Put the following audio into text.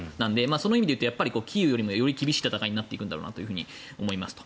その意味で言うとキーウよりもより厳しい戦いになっていくんだろうなと思います。